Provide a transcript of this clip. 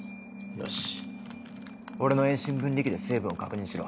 よし俺の遠心分離機で成分を確認しろ。